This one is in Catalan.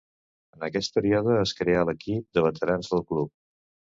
En aquest període es creà l'equip de veterans del club.